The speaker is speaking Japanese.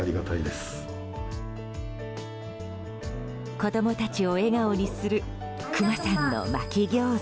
子供たちを笑顔にするくまさんのまき餃子。